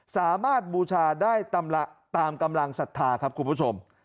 สามารถบูชาได้ต่ำหลักตามกำลังศรัทธาครับคุณผู้ชม